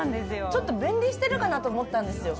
ちょっと分離してるかなと思ったんですよ。